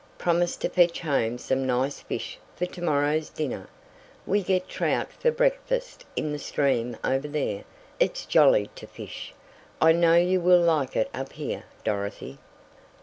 Promised to fetch home some nice fish for to morrow's dinner. We get trout for breakfast in the stream over there. It's jolly to fish. I know you will like it up here, Dorothy."